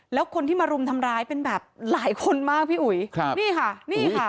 แล้วคนที่มารุมทำร้ายเป็นแบบหลายคนมากพี่อุ๋ยครับนี่ค่ะนี่ค่ะ